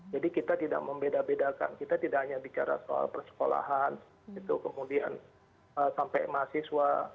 jadi kita tidak membeda bedakan kita tidak hanya bicara soal persekolahan gitu kemudian sampai mahasiswa